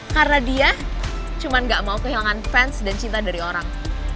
karena dia cuman gak mau kehilangan fans dan cinta dari orang